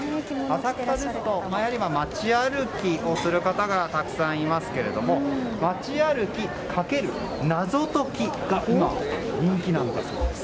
浅草ですと今街歩きをする方がたくさんいますが街歩きかける謎解きが今、人気なんです。